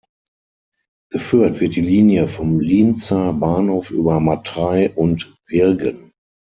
Geführt wird die Linie vom Lienzer Bahnhof über Matrei und Virgen.